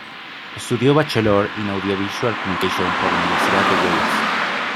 Estudió Bachelor in Audiovisual Communication por la Universidad de Wales.